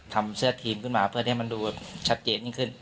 ทำเสื้อทีมขึ้นมาเพื่อให้มันดูชัดเจนยิ่งขึ้น